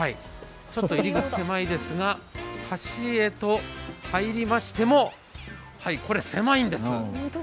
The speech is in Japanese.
入り口狭いですが、橋へと入りましてもこれ、狭いんです。